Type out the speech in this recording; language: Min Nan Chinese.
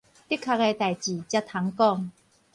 的確的代誌才通講